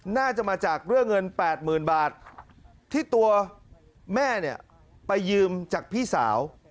น่าจะมาจากเรื่องเงิน๘๐๐๐บาทที่ตัวแม่เนี่ยไปยืมจากพี่สาว